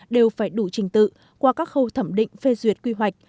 đều phải đủ trình tự qua các khâu thẩm định phê duyệt quy hoạch